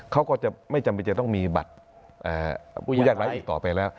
เขาก็จะไม่จำเป็นจะต้องมีบัตรผู้ที่ยากร้ายอีกต่อไปแล้ว